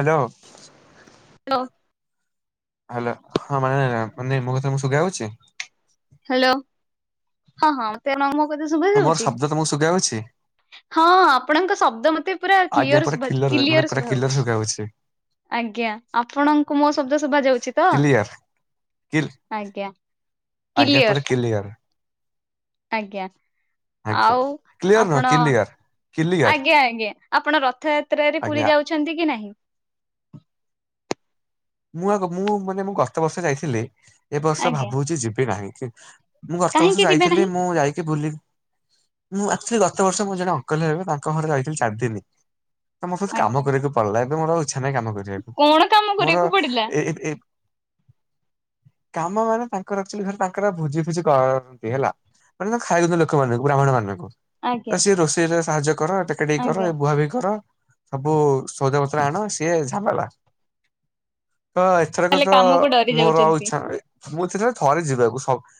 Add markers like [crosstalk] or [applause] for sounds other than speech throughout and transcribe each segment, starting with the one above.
Hello. Hello. Hello ହଁ ମାନେ ମାନେ ମୁଁ ତମ ଶୁଗାଯାଉଛି। ହାଲୋ ହଁ ହଁ ତ ମୁ [inaudible] ଶୁଭ ହଁ ମୋର ଯାଉଛି? ଶବ୍ଦ ତମକୁ ଶୁଗା ଯାଉଛି? ହଁ ଆପଣଙ୍କ ଶବ୍ଦ ମତେ ପୁରା ଆଜ୍ଞା କ୍ଲିଅର ପୁରା ଶୁଭା କିଲର ମାନେ କିଲିଅର ପୁରା ଶୁଭା କିଲର ଯାଉଛି। ଶୁଗା ଆଜ୍ଞା ଆପଣଙ୍କୁ ମୋ ଶବ୍ଦ ଶୁଭା ଯାଉଛି ତ କିଲିୟର କିଲ ଆଜ୍ଞା। ଆଜ୍ଞା କ୍ଲିୟର ପରେ କିଲିଅର। ଆଜ୍ଞା। ଆଜ୍ଞା ଆଉ କ୍ଲିୟର ନୁହଁ ଆପଣ କିଲିୟର କିଲିୟର ଆଜ୍ଞା ଆଜ୍ଞା ଆପଣ ରଥଯାତ୍ରାରେ ପୁରୀ ଆଜ୍ଞା ଯାଉ ଛନ୍ତି କି ନାହିଁ? ମୁଁ ଆଗ ମୁଁ ମାନେ ମୁଁ ଗତ ବର୍ଷ ଯାଇଥିଲି ଏ ବର୍ଷ ଆଜ୍ଞା ଭାବୁଛି ଯିବି ନାହିଁ। ମୁଁ ଗତ ବର୍ଷ କାହିଁକି ଯିବେ ଯାଇଥିଲି ନାହିଁ? ମୁଁ ଯାଇକି ବୁଲିି ମୁଁ ଆକ୍ଚୁଆଲି ଗତ ବର୍ଷ ମୋ ଜଣେ ଅଙ୍କଲ ହେବେ ତାଙ୍କ ଘରେ ରଇଥିଲି ଚାରିଦିନ। ତ ମୋର କାମ ଆଜ୍ଞା କରିବାକୁ ଭଲ ଲାଗେ କିନ୍ତୁ ମୋର ଆଉ ଇଚ୍ଛା ନାହିଁ କାମ କରିବା କଣ କାମ କରିବାକୁ ପଡିଲା? ଏ ଏ କାମ ମାନେ ତାଙ୍କର ଆକ୍ଚୁଆଲି ଘରେ ତାଙ୍କର ଭୋଜି ଫୋଜି କରନ୍ତି ହେଲା। ମାନେ ଖାଇଆକୁ ଦବ ଲୋକମାନଙ୍କୁ ବ୍ରାହ୍ମଣ ମାନଙ୍କୁ ଆଜ୍ଞା ତ ସିଏ ରୋଷେଇରେ ସାହାଯ୍ୟ କର ଟେକାଟେକି କର ଆଜ୍ଞା ବୁହା ବୁହି କର। ସବୁ ସଉଦାପତ୍ର ଆଣ ସିଏ ଝାମେଲା ତ ଏଥରକ ତାହେଲେ ତ କାମକୁ ଡରି ମୋର ଆଉ ଯାଉଛନ୍ତି ଇଚ୍ଛା ନାଈଁ ମୁଁ ଥରେ ଯିବାକୁ ସବୁ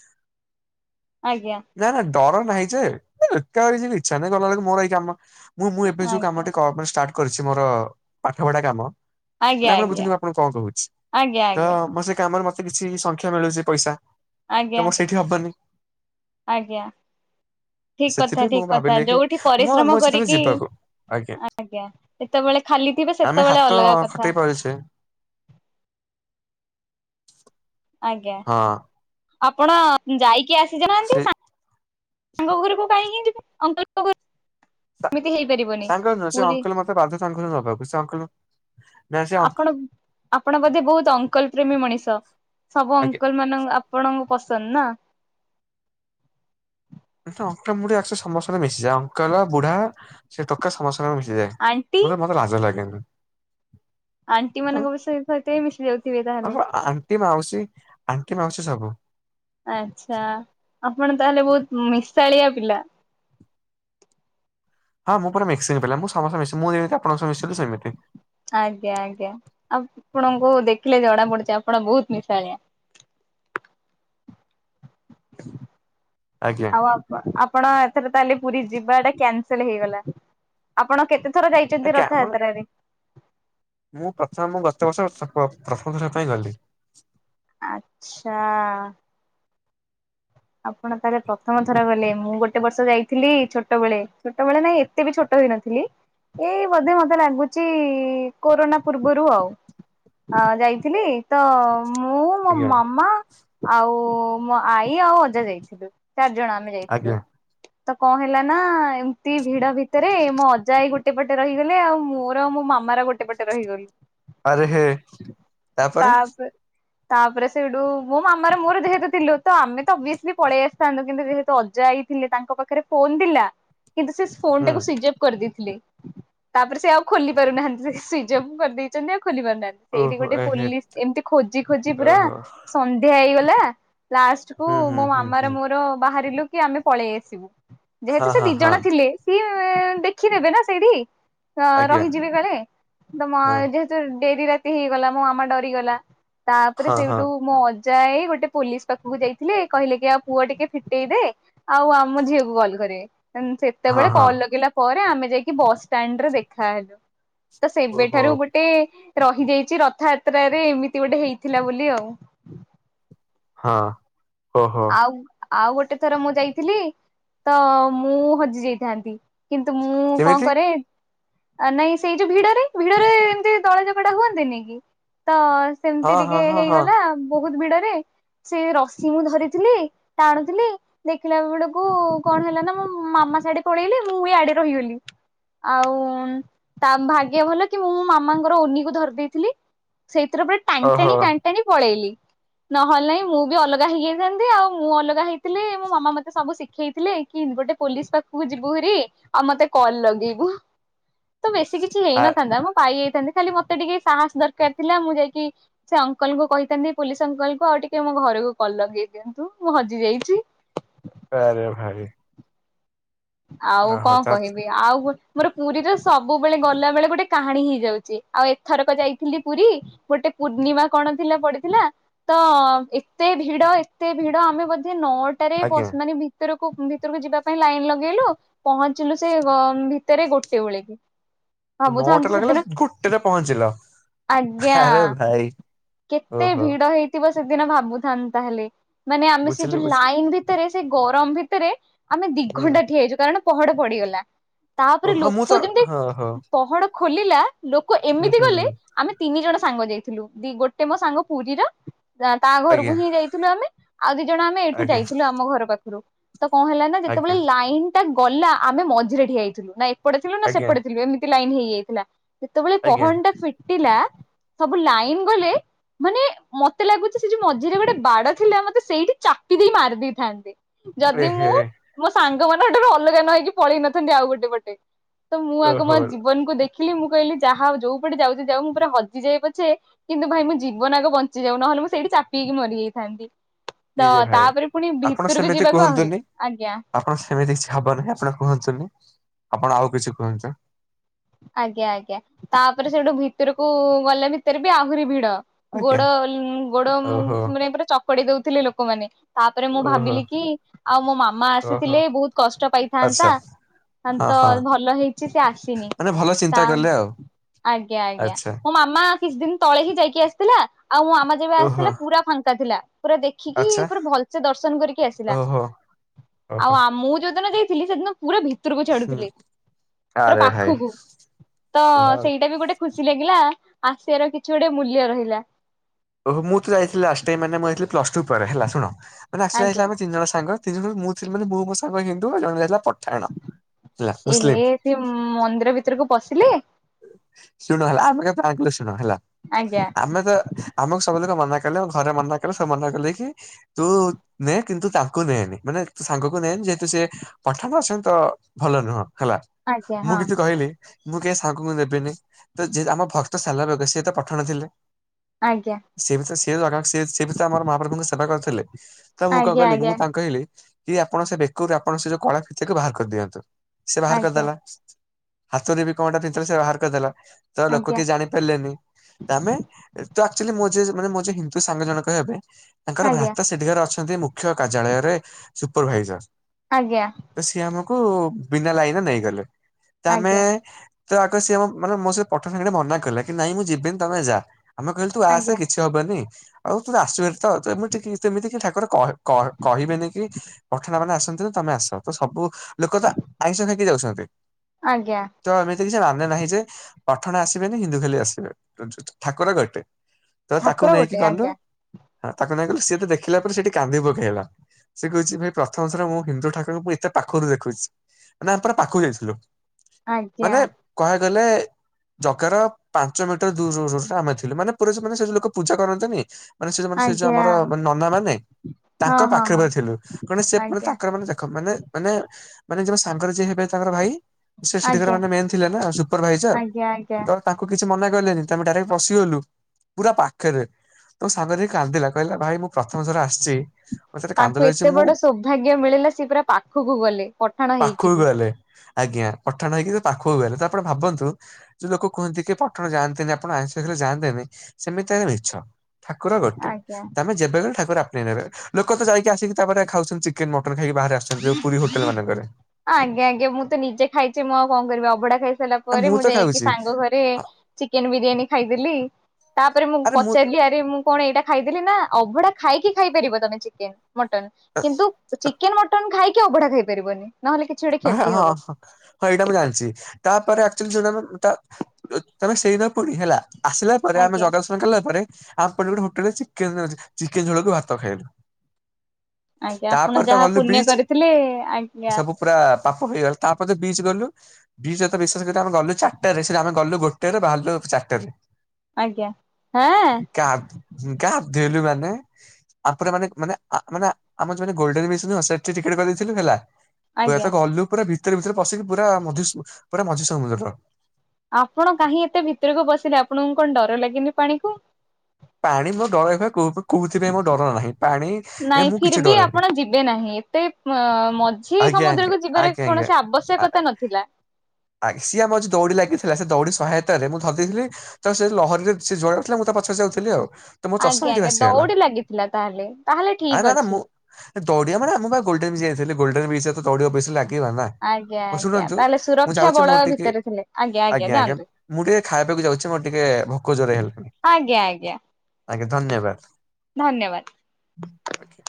ଆଜ୍ଞା। ନା ନା ଡର ନାହିଁ ଯେ ଇଚ୍ଛା ନାହିଁ ଗଲା ବେଳକୁ ମୋର ଏଇ କାମ ମୁଁ ମୁଁ ଏବେ ଯୋଉ ଆଜ୍ଞା କାମ କ ପାଇଁ ଷ୍ଟାର୍ଟ କରିଛି ମୋର ପାଠ ପଢା କାମ। ଆଜ୍ଞା ଆଜ୍ଞା। ଆ କଣ କହୁଛି ତ ଆଜ୍ଞା ଆଜ୍ଞା ମୋ ସେ କାମରେ ମତେ କିଛି ସଂଖ୍ୟା ମିଳୁଛି ପଇସା ତ ଆଜ୍ଞା ମୁଁ ସେଇ ହବନି। ଆଜ୍ଞା। ଠିକ କଥା ସେଥିପାଇଁ ମୁଁ ଠିକ କଥା ଭାବିଲି କି ଯୋଉଠି ମୁଁ ପରିଶ୍ରମ ମୁଁ ସେତେବେଳେ କରିକି ଯିବାକୁ ଆଜ୍ଞା। ଯେତେବେଳେ ଖାଲି ଥିବେ ଆମେ ହାତ ସେତେବେଳେ ଅଲଗା ଖଟେଇ କଥା। ପାରୁଛେ ଆଜ୍ଞା। ହଁ ଆପଣ ଯାଇକି ଆସିିଚ ନା ସେ ତାଙ୍କ ଘରକୁ କାହିଁକି ଯିବି, ଅଙ୍କଲ ଘରକୁ ଏମିତି ହେଇପାରିବନି ସାଙ୍ଗ ନୁହଁ ପୁରୀ [unintelligible] ସେ ଅଙ୍କଲ ନା ସେ ଅଙ୍କ ଆପଣ ଆପଣ ବୋଧେ ବୋହୁତ୍ ଅଙ୍କଲ ପ୍ରେମୀ ମଣିଷ? ସବୁ ଆଜ୍ଞା ଅଙ୍କଲ ମାନଙ୍କ ଆପଣଙ୍କ ପସନ୍ଦ ନା? [unintelligible] ସମସ୍ତଙ୍କେ ମିଶିଯାଏ ଅଙ୍କଲ ବୁଢା ସେ ଟୋକା ସମସ୍ତଙ୍କ ମୁଁ ମିସିଜାଏ ଆଣ୍ଟି ମତେ ମତେ ଲାଜ ଲାଗେନି। ଆଣ୍ଟି ମାନଙ୍କ ବି ସହିତ ସହିତ ବି ମିଶି ଯାଉଥିବେ ତାହେଲେ? ଟି ମାଉସୀ ଆଣ୍ଟି ମାଉସୀ ସବୁ। ଆଚ୍ଛା। ଆପଣ ତାହେଲେ ବୋହୁତ୍ ମିଶାଳିଆ ପିଲା? ହଁ ମୁଁ ପା ମସିଙ୍ଗିପିଲା ମୁଁ ସମସ୍ତେ ମି ମୁଁ ଯେମିତି ଆପଣଙ୍କ ସହ ମିିସିଲି ସେମିତି। ଆଜ୍ଞା ଆଜ୍ଞା। ଆଉପଣଙ୍କୁ ଦେଖିଲେ ଜଣା ପଡୁଛି ଆପଣ ବୋହୁତ୍ ମିଶାଳିଆ। ଆଜ୍ଞା ଆଉ ଆପ ଆପଣ ଏଥର ତାହଲେ ପୁରୀ ଯିବାଟା କ୍ୟାନସେଲ୍ ହେଇଗଲା? ଆପଣ କେତେ ଥର ଯାଇଛନ୍ତି ଆଜ୍ଞା ମାନେ ରଥଯାତ୍ରାରେ? ମୁଁ ପ୍ରଥମ ମୁଁ ଗତ ବର୍ଷ ପ୍ରଥମ ଥର ପାଇଁ ଗଲି। ଆଚ୍ଛା। ଆପଣ ତାହଲେ ପ୍ରଥମ ଥର ଗଲେ। ମୁଁ ଗୋଟେ ବର୍ଷ ଯାଇଥିଲି ଛୋଟବେେଳେ। ଛୋଟବେଳେ ନାଇଁ ଏତେ ବି ଛୋଟ ହେଇନଥିଲି। ଏଇ ବୋଧେ ମତେ ଲାଗୁଛି କୋରୋନା ପୂର୍ବରୁ ଆଉ। ହଁ ଯାଇଥିଲି ତ ମୁଁ ମୋ ଆଜ୍ଞା ମାମା ଆଉ ମୋ ଆଈ ଆଉ ଅଜା ଯାଇଥିଲୁ। ଚାରି ଜଣ ଆମେ ଯାଇଥିଲୁ। ଆଜ୍ଞା ତ କଣ ହେଲା ନା ଏମିତି ଭିଡ ଭିତରେ ମୋ ଅଜା ଆଇ ଗୋଟେ ଗୋଟେ ପଟେ ରହିଗଲେ। ଆଉ ମୋର ମୋ ମାମାର ଗୋଟେ ପଟେ ରହିଗଲୁ। ଆରେ ହେ, ତାପରେ ତାପରେ ସେଇଠୁ, ମୋ ମାମାର ମୋର ଯେହେତୁ ଥିଲୁ, ତ ଆମେ ତ ପଳେଇ ଆସିଥାନ୍ତୁ। କିନ୍ତୁ ଯେହେତୁ ଅଜା ଆଇ ଥିଲେ, ତାଙ୍କ ପାଖରେ ଫୋନ୍ ଥିଲା, କିନ୍ତୁ ସେ ଫୋନ୍ ଟାକୁ ହୁଁ ସୁଇଜ୍ଅପ କରିଦେଇଥିଲେ। ତାପରେ ସେ ଆଉ ଖୋଲି ପାରୁନାହାନ୍ତି ସେ ସୁଇଚ୍ ଅଫ୍ କରିଦେଇଛନ୍ତି ଆଉ ଖୋଲି ପାରୁନାହାନ୍ତି। ସେଇଠି ଓହୋ ଗୋଟେ ଏହେ ପୋଲିସ୍, ଏମିତି ଖୋଜି ଖୋଜି, ପୁରା ଓହୋ ସନ୍ଧ୍ୟା ହେଇଗଲା ଲାଷ୍ଟ ହୁଁ ହୁଁ ହୁଁ ହୁଁ ର ବାହାରିଲୁ କି ଆମେ ପଳେଇ ଆସିବୁ। ହଁ ଯେହେତୁ ସେ ହଁ ଦି ହଁ ଜଣ ଥିଲେ। ସି ଦେଖି ନେବେ ନା ସେଇଠି, ଆଜ୍ଞା ରହିଯିବେ କାଳେ, ତମ ହଁ ଯେ ତ ଡେରି ରାତି ହେଇଗଲା, ମୋ ମାମା ଡରିଗଲା। ତାପରେ ହଁ ହଁ ସେଇଠୁ ମୋ ଅ ଜା ଆଇ, ଗୋଟେ ପୋଲିସ୍ ପାଖକୁ ଯାଇଥିଲେ କହିଲେ କି ଆଉ ପୁଅ ଟିକେ ଫିଟେଇ ଦେ ଆଉ ଆମ ଝିଅକୁ କଲ୍ କରିବେ। ଦେନ୍, ହଁ ସେତେବେଳେ ହଁ କଲ୍ ଲଗେଇଲା ପରେ, ଆମେ ଯାଇକି ବସ୍ ଷ୍ଟାଣ୍ଡ ରେ ଦେଖାହେଲୁ। ତ ଓହୋ ସେବେଠାରୁ ଗୋଟେ ରହିଯାଇଛି ରଥଯାତ୍ରାରେ, ଏମିତି ଗୋଟେ ହେଇଥିଲା ବୋଲି ଆଉ। ହଁ। ଓହୋ ଆଉ, ଆଉ ଗୋଟେ ଥର ମୁଁ ଯାଇଥିଲି, ତ ମୁଁ ହଜି ଯାଇଥାନ୍ତି। କିନ୍ତୁ ମୁଁ କଣ କେମିତି କରେ ଆ ନାଇଁ ସେଇ ଯୋଉ ଭିଡରେ, ଭିଡରେ ଏମିତି ଦଳା ଚକଡା ହୁଅନ୍ତିନି କି, ତ ସେମିତି ହଁ ହଁ ଟିକେ ହଁ ହଁ ହେଇଗଲା ବୋହୁତ୍ ଭିଡରେ, ସେ ରସି ମୁଁ ଧରି ଥିଲି, ଟାଣୁଥିଲି ଦେଖିଲା ବେଳକୁ, କଣ ହେଲା ନା, ମୋ ମାମା ସିଆଡେ ପଳେଇଲା ମୁଁ ଇଆଡେ ରହିଗଲି। ଆଉ ତା ଭାଗ୍ୟ ଭଲ କି ମୁଁ ମୋ ମାମାଙ୍କର ଓନିକୁ ଧରି ଦେଇେଥିଲି। ସେଇଥିରେ ପୁରା ଟାଣି, ଓହୋ ଟାଣି, ଟାଣି ପଳେଇଲି। ନହେଲେ ନାହିଁ ମୁଁ ବି ଅଲଗା ହେଇ ହେଇଥାନ୍ତି ଆଉ। ମୁଁ ଅଲଗା ହେଇଥିଲେ ମୋ ମାମା ମତେ ସବୁ ଶିଖେଇଥିଲେ କି ଗୋଟେ ପୋଲିସ୍ ପାଖକୁ ଯିବୁ ହାରି ଆଉ ମତେ କଲ୍ ଲଗେଇବୁ। ତ ବେଶୀ କିଛି ଆ ହେଇନଥାନ୍ତା ମୋ ପାଇ ହେଇଥାନ୍ତି ଖାଲି ମତେ ଟିକେ ସାହସ ଦରକାର ଥିଲା ମୁଁ ଯାଇକି ସେ ଅଙ୍କଲ କୁ କହିଥାନ୍ତି ପୋଲିସ ଅଙ୍କଲ କୁ ଆଉ ଟିକେ ମୋ ଘରକୁ କଲ ଲଗେଇ ଦିଅନ୍ତୁ ମୁଁ ହଜି ଯାଇଛି। ଆରେ ଭାଇ। ଆଉ ଓହୋ କଣ ତା କହିବି ଆଉ ଗୋଟେ ମୋର ପୁରୀର ସବୁବେଳେ ଗଲା ବେଳେ ଗୋଟେ କାହାଣୀ ହେଇଯାଉଛି ଆଉ ଏଥରକ ଯାଇଥିଲି ପୁରୀ। ଗୋଟେ ପୂର୍ଣ୍ଣିମା କଣ ଥିଲା ପଡିଥିଲା ତ ଏତେ ଭିଡ ଏତେ ଭିଡ ଆମେ ବୋଧେ ନ ଆଜ୍ଞା ମାନେ ଭିତରକୁ ଭିତରକୁ ଯିବା ପାଇଁ ଲାଇନ୍ ଲାଗି ଲଗେଇଲୁ ପହଞ୍ଚିଲୁ ସେଲ ଭିତରେ ଗୋଟେ ବଳେ। ନଅଟା ଭାବୁଥାନ୍ତୁ ଲାଗିଲା ସେଦିନ ଗୋଟେରେ ପହଞ୍ଚିଲ ଆଜ୍ଞା। ଆରେ ଭାଇ କେତେ ଓହୋ ଭିଡ ହେଇଥିବ ସେଦିନ ଭାବୁଥାନନ୍ତୁ ତାହେଲେ ମାନେ ଆମେ ସେ ବୁଝିଲି ଯୋଉ ବୁଝିଲି ଲାଇନ୍ ବି ଭିତରେ ସେ ଗରମ ଭିତରେ ଆମେ ଦିଘଣ୍ଟା ହୁଁ ଠିଆ ହେଇଛୁ କାରଣ ପହଡ ପଡିଗଲା। ତାପରେ ଓହୋ ମୁଁ ଲୋକ ତ ଯେମିତି ହଁ ହଁ ପହଡ ଖୋଲିଲା ଲୋକ ହୁଁ ଏମିତି ହୁଁ ଗଲେ ଆମେ ତିନି ଜଣ ସାଙ୍ଗ ଯାଇଥିଲୁ ଦି ଗୋଟେ ମୋ ସାଙ୍ଗ ପୁରୀର ତା ଘରକୁ ଆଜ୍ଞା ହିଁ ଯାଇଥିଲୁ ଆମେ ଆଉ ଦି ଜଣ ଆମେ ଏଇଠୁ ଆଜ୍ଞା ଯାଇଥିଲୁ ଆମ ଘର ପାଖରୁ ତ କଣ ହେଲାନା ଯେତେବେଳେ ଆଜ୍ଞା ଲାଇନ୍ ଟା ଗଲା ଆମେ ମଝିରେ ଠିଆଇଥିଲୁ ନା ଏପଟେ ଥିଲୁ ନା ଆଜ୍ଞା ସେପଟେ ଥିଲୁ ଏମ ଲାଇନ୍ ହେଇଯାଇଥିଲା ଯେତେବେଳେ ଆଜ୍ଞା ପହନ ଟା ଫିଟିଲା ସବୁ ଲାଇନ୍ ଗଲେ ମାନେ ମତେ ଲାଗୁଛି ସେ ଯୋଉ ମଝିରେ ଗୋଟେ ବାଡ ଥିଲା ମତେ ସେଇଠି ଚାପି ଦେଇକି ମାରି ଦେଇଥାନ୍ତେ। ଯଦି ମୁଁ ଏହେ ମୋ ସାଙ୍ଗମାନଙ୍କ ଠାରୁ ଅଲଗା ନ ହେଇକି ପଳେଇ ନଥାନ୍ତି ଆଉ ଗୋଟେ ପଟେ। ତ ମୁଁ ଆଗ ମୋ ଓହୋ ଜୀବନକୁ ଦେ ଦେଖିଲି ମୁଁ କହିଲି ଯାହା ହଉ ଯୋଉ ପଟେ ଯାଉଚି ଯାଉ ମୁଁ ପୁରା ହଜିଯାଇ ପଛେ କିନ୍ତୁ ଭାଇ ମୁ ଜୀବନ ଆଗ ବଞ୍ଚି ଯାଉ ନହେଲେ ମୁଁ ସେଇଠି ଚାପ ହେଇକି ମରିଯାଇଥାନ୍ତି। ତ ଇରେ ଭାଇ ତାପରେ ପୁଣି ଆପଣ ଭିତରକୁ ସେମିତି ଯିବାକୁ ଆହୁରି କୁହନ୍ତୁନି ଆଜ୍ଞା। ଆପଣ ସେମିତି କିଛି ହବନାହିଁ ଆପଣ କୁହନ୍ତୁନି ଆପଣ ଆଉ କିଛି କୁହନ୍ତୁ। ଆଜ୍ଞା ଆଜ୍ଞା ତାପରେ ସେଠୁ ଭିତରକୁ ଗଲେ ଭିତରେ ବି ଆହୁରି ଭିଡ। ଆଜ୍ଞା। ଗୋଡ ଉଁ ଗୋଡ ଉଁ ଓହୋ ମାନେ ପୁରା ଚକଡି ଦଉଥିଲେ ଲୋକମାନେ। ତାପରେ ମୁଁ ଓହୋ ଭାବିଲି କି ଆଉ ମୋ ମାମା ଓହୋ ଆସିଥିଲେ ବହୁତ କଷ୍ଟ ଆଚ୍ଛା ପାଇଥାନ୍ତା। ହଁ ତ ହଁ ଭଲ ହେଇଛି ସେ ଆସିନି ମାନେ ଭଲ ଚିନ୍ତା ତା କଲେ ଆଉ ଆଜ୍ଞା ଆଜ୍ଞା ଆଚ୍ଛା ମା କିଛି ଦିନି ତଳେ ହିଁ ଯାଇକି ଆସିଥିଲା ଆଉ ମୋ ଆାମା ଯେବେ ଓହୋ ଆସିଥିଲା ପୁରା ଫାଙ୍କା ଥିଲା ପୁରା ଦେ ଦେଖିକି ଆଚ୍ଛା ପୁରା ଭଲସେ ଦର୍ଶନ କରିକି ଆସିଥିଲା ଓହୋ ଆଉ ଓହୋ ଆ ମୁଁ ଯୋଉଦିନ ଯାଇଥିଲି ସେଦିନ ପୁରା ଭିତରକୁ ହୁଁ ଛାଡୁଥିଲେ ପୁର ଆରେ ଭାଇ ପାଖକୁ। ତ ସେଇଟା ବି ଗୋଟେ ଖୁସି ଲାଗିଲା ଆସିଆ ର କିଛି ଗୋଟେ ମୂଲ୍ୟ ରହିଲା। ଓହୋ ମୁଁ ତ ଯାଇଥିଲି ଲାଷ୍ଟେ ଟାଇମ୍ ମାନେ ମୁଁ ଜାଇଥିଲି ପ୍ଲସ ଟୁ ପରେ ହେଲା ଶୁଣ ମାନେ ଆସିଲା ଯାଇଥିଲା ଆଜ୍ଞା। ଆମେ ତିିନ ଜଣ ସାଙ୍ଗ ତିନିଜଣ ମୁଁ ଥିଲିବୋଲି ମୁ ମୋ ସାଙ୍ଗ କି ହିନ୍ତୁ ଜାଣିଲେ ଯେ ପଠାଣ। ହେଲା ଏ ମୁସଲିମ ହେ ସିଏ ମନ୍ଦିର ଭିତରକୁ ପଶିଲେ? ଶୁଣୁ ହେଲା ଆମେ ଫ୍ଲାଙ୍କଳି ଶୁଣ ହେଲା ଆଜ୍ଞା ଆମେ ତ ଆମକୁ ସବୁଥିରୁ ମନା କଲେ ଆ ଘରେ ମନା କଲେ ସ ମନା କଲେ କି ତୁ ନେ କିନ୍ତୁ ତାଙ୍କୁ ନେଏନି ମାନେ ସାଙ୍ଗକୁ ନେନି ଯେହେତୁ ସେ ପଠାମ ସେ ତ ଭଲ ନୁହଁ ହେଲା ଆଜ୍ଞା ମୁଁ ହଁ କିଛି କହିଲି ମୁଁ କି ତାଙ୍କୁ ମୁଁ ନେବିନି ତ ଯେ ଆମ ଭକ୍ତ ସାଲବେଗ ସିଏ ତ ପଠାଣ ଥିଲେ। ଆଜ୍ଞା। ସିଏ ବି ତ ସେ ଧରାକ ସିଏ ସିଏ ବି ତ ଆମର ମହାପ୍ରଭୁଙ୍କୁ ସେବା କରଥିଲେ ତ ମୁଁ କ ଆଜ୍ଞା କହିଲି କି ମୁଁ ଆଜ୍ଞା ତାଙ୍କୁ କଇଲି କି ଆପଣ ସେ ବେକରୁ ଆପଣଙ୍କ ସେ ଯୋଉ କଳା ଫିତା କୁ ବାହାର କରିଦିଅନ୍ତୁ ସେ ବାହାର ଆଜ୍ଞା କରିଦେଲା। ହାତରେ ବି କଣ ଟା ଫିତା ସେ ବାହାର କରିଦେଲା ତ ଲୋକ ଆଜ୍ଞା କି ଜାଣି ହେଲେନି ତାମେ ଏ ଚ ଆକ୍ଚୋଲି ମୋ ଅଛି ମାନେ ମୋ ଅଛି ହିନ୍ଦୁ ସାଙ୍ଗ ଜଣଙ୍କ ହେବେ। ତାଙ୍କର ଆଜ୍ଞା ଆଜ୍ଞା ଭ୍ରାତ ସେଠିକାରେ ଅଛନ୍ତି ମୁଖ୍ୟ କାର୍ଯ୍ୟାଳୟରେ ସୁପରଭାଇଜର ଆଜ୍ଞା। ତ ସିଏ ଆମକୁ ବିନା ଲାଇନରେ ନେଇଗଲେ ତ ଆମେ ଆଜ୍ଞା ତ ଆଗ ସେ ମୋ ମାନେ ମୋ ସେ ପଠାଣ ସାଙ୍ଗରେ ମନା କଲେ କି ନାଇଁ ମୁଁ ଯିବିନି ତମେ ଯା ଆମ କହିଲ ତୁ ଆସେ ଆଜ୍ଞା। କିଛି ହବନି ଆଉ ତୁ ତ ଆସଚୁହାରି ତ ତ ଏମିତି ସେମିତି କି ଠାକୁର କହି କ କହିବେନି କି ପଠଣା ମାନେ ଆସନ୍ତି ତ ତମେ ଆସ ତ ସବୁ ଲୋକ ତ ଆଇଁଷ ଖାଇକି ଯାଉଛନ୍ତି। ଆଜ୍ଞା। [unintelligible] କିି ସେ ମାନେ ନାହିଁ ଯେ ପଠାଣ ଆସିବେନ ହିନ୍ଦୁ ଖାଲି ଆସିବେ ଠାକୁର ଗୋଟେ। ତ ତାକୁ ଠାକୁର ନେଇକି ଗୋଟେ ଗଲୁ ଆଜ୍ଞା ହଁ ତାକୁ ନେଇ ଗଲୁ ସିଏ ତ ଦେଖିଲା ପରେ ସେଠି କାନ୍ଦି ପକେଇଲା। ସେ କହୁଛି ଭାଇ ପ୍ରଥମ ଥର ମୁଁ ହିନ୍ଦୁ ଠାକୁରଙ୍କୁ ଏତେ ପାଖରୁ ଦେଖୁଛି ମାନେ ଆମେ ପୁରା ପାଖକୁ ଯାଇଥିଲୁ। ଆଜ୍ଞା ମାନେ କୁହିବାକୁଗଲେ ଜଗାର ପାଞ୍ଚ ମିଟର ଦୂରୁରୁରେ ଆମେ ଥିଲୁ ମାନେ ପୁରସେ ମାନେ ସେ ଲୋକ ପୂଜା କରନ୍ତିନି ମାନେ ସେ ଜଉ ମାନେ ସେ ଯଉ ଆଜ୍ଞା। ଆମର ନନା ମାନେ ହଁ ତାଙ୍କ ହଁ ପାଖରେ ହଁ ପା ଥିଲୁ କଣ ସୋ ପୁଣୀ ଆଜ୍ଞା ତାଙ୍କର ମାନେ ଦେଖ ମାନେ ମାନେ ମାନେ ଯେବେ ସାଙ୍ଗରେ ଯିଏ ହେବେ ତାଙ୍କର ଭାଇ ସେ ସେଠିକାର ଆଜ୍ଞା ମାନେ ମେ ଥିଲେ ନା ସୁପରଭାଇଜର ଆଜ୍ଞା ଆଜ୍ଞା ତ ତାଙ୍କୁ କିଛି ମନା କଲେନି ତଆମେ ଡାଇରେକ୍ଟ ପଶିଗଲୁ। ପୁରା ପାଖେରେ ମୋ ସାଙ୍ଗ ଯାଇ କାନ୍ଦିଲା କହିଲା ଭାଇ ମୁଁ ପ୍ରଥମ ଥର ଆସିଛି ମତେ କାନ୍ଦ ତାଙ୍କୁ ଲାଗୁଛି ଏତେ ମୁଁ ବଡ଼ ସୌଭାଗ୍ୟ ମିଳିଲା ସି ପୁରା ପାଖକୁ ଗଲେ ପଠାଣ ପାଖକୁ ହେଇକିବି। ଗଲେ ଆଜ୍ଞା ପଠାଣ ହେଇକି ସେ ପାଖକୁ ଗଲେ ତ ଆପଣ ଭାବନ୍ତୁ ଯୋଉ ଲୋକ କୁହନ୍ତି କି ପଠାଣ ଯାଆନ୍ତିନି ଆପଣ ଆଇଁଷଖାଇଲେ ଯାଆନ୍ତିନି ସେମିତି ଆଜ୍ଞା ମିଛ। ଠାକୁର ଗୋଟେ ଆଜ୍ଞା ତମେ ଯେବେଗଲେ ଠାକୁର ଆପଣେଇ ନେବେ ଲୋକ ତ ଯାଇକି ଆସିକି ତାପରେ ଖାଉଛନ୍ତି ଚିକେନ ମଟନ୍ ଖାଇକି ବାହାରେ ଆସ ଆଜ୍ଞା ଆଜ୍ଞା ମୁଁ ତ ନିଜେ ଖାଇଛି ମୁଁ ଆଉ କଣ କରିବି ଅଭଢା ଖାଇସାରିଲା ଆ ପରେ ତ ମୁଁ ଯାଇକି ଖାଉଛି ସାଙ୍ଗ ଘରେ ଚିକେନ୍ ବିରିୟାନୀ ଖାଇଦେଲି। ତାପରେ ମୁଁ ପଚାରିଲି ଆରେ ମୁଁ କଣ ଏଇଟା ଖାଇଦେଲି ନା ଅଭଢା ଖାଇକି ଖାଇପାରିବ ତମେ ଚିକେନ୍ ମଟନ କିନ୍ତୁ ଚିକେନ୍ ମଟ ନ ଖାଇକି ଅଭଢା ଖାଇପାରିବନି। ଗୋଟେ କ୍ଷତି ହବ [unintelligible] ହଁ ଏଇଟା ମୁଁ ଜାଣିଛି ତାପରେ ଆକ୍ଚୁଆଲୀ [unintelligible] ପୁରୀ ହେଲା। ଆସିଲା ପରେ ଆମେ ଆଜ୍ଞା ଯଗା ଦର୍ଶନ କଲା ପରେ ଆ ପରେ ଗୋଟେ ହୋଟେଲ ଅଛି ଚିକେନ୍ ହଉଛି ଚିକେନ୍ ଝୋଳକୁ ଭାତ ଖାଇଲୁ। ଆଜ୍ଞା ଆପଣ ତାପରେ ତ ଯାହା ଗଲୁ ପୁଣ୍ୟ ବିଚ୍ କରିଥିଲେ ଆଜ୍ଞା। ସବୁ ପୁରା ପାପ ହେଇଗଲା ତାପରେ ତ ବିଚ ଗଲୁ। ବିଚ ରେ ତ ବିଶେଷ କରି ଆମେ ଗଲୁ ଚାରିଟାରେ ସେଇଠି ଆମେ ଗଲୁ ଗୋଟେରେ ବାହାରିଲୁ ଚାରଟାରେ। ଆଜ୍ଞା ହାଁ। କା ଗଧେଇଲୁ ମାନେ ଆପରେ ମାନେ ମାନେ ମାନେ [unintelligible] ପୁରା ଆଜ୍ଞା ତ ଗଲୁ ପୁରା ଭିତରେ ଭିତରେ ପଶିକି ପୁରା ମଝି ପୁରା ମଝି ସମୁଦ୍ର। ଆପଣ କାହିଁ ଏତେ ଭିତରକୁ ପସିଲେ ଆପଣଙ୍କୁ କଣ ଡର ଲାଗେନି ପାଣି କୁ? ପାଣି ମୋ ଡରଇବା କୋଉଥିପାଇଁ ମୋ ଡର ନାହିଁ। ପାଣିରେ ମୁଁ କିଛି ଡରେନି। ଏବେ ନାହିଁ ଏତେ ମଝି ଆଜ୍ଞା ଆଜ୍ଞା ସମୁଦ୍ରକୁୁ ଯିବାର ଆଜ୍ଞା କୌଣସି ଆବଶ୍ୟକତା ନଥିଲା। ଆଗ୍ ସିଏ ଆମର ଯଉ ଦୌଡ଼ି ଲାଗିଥିଲା ସେ ଦୌଡି ସହାୟତାରେ ମୁଁ ଧରି ଦେଇଥିଲି। ତ ସେ ଲହରୀରେ ସେ ଯୁଆଡ଼େ ଯାଉଥିଲା ମୁଁ ତା ପଛେ ପଛେ ଯାଉଥିଲି ଆଉ। ତ ମୋ ଚଷମା ଆଜ୍ଞା ସେଠି ଆଜ୍ଞା ଭାସିଗଲା ଦୌଡ଼ି ଲାଗିଥିଲା ତାହେଲେ ତାହେଲେ ଠିକ୍ ଅଛି। ଦୈାଡ଼ି ବା ମାନେ ମୁଁ ବା ଗୋଲଡେନ୍ ବିଚ୍ ଯାଇଥିଲି ଗୋଲଡେନ୍ ବିଚ୍ ରେ ଦୈାଡିବା କୁ ବେଶି ଲାଗେ ଗୀ ବନା ଆଜ୍ଞା ହଉ ଆଜ୍ଞା ଶୁଣନ୍ତୁ ତାହେଲେ ମୁଁ ସୁରକ୍ଷା ଯାଉଛି ବଳୟ ମୋର ଟିକେ ଭିତରେ ଥିଲେ ଆଜ୍ଞା ଆଜ୍ଞା। ଯାଆନ୍ତୁ ମୁଁ ଟିକେ ଖାଇବାକୁ ଯାଉଛି ମୋର ଟିକେ ଭୋକ ଜୋରେ ହେଲାଣି। ଆଜ୍ଞା ଆଜ୍ଞା। ଆଜ୍ଞା ଧନ୍ୟବାଦ। ଧନ୍ୟବାଦ। [inaudible]